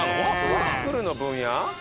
ワッフルの分野？